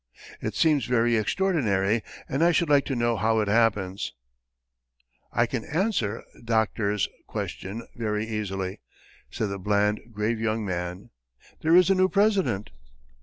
It seems very extraordinary, and I should like to know how it happens.' "'I can answer Dr. 's question very easily,' said the bland, grave young man. 'There is a new president.'